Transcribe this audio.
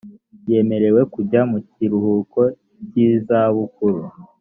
yemerewe kujya mu kiruhuko cy izabukuru